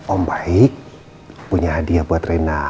om baik punya hadiah buat rena